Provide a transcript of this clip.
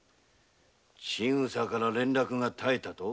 千草からの連絡が絶えたと。